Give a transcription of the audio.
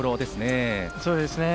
そうですね。